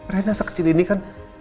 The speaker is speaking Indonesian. rena sekecil ini kan